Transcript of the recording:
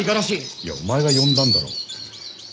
いやお前が呼んだんだろ。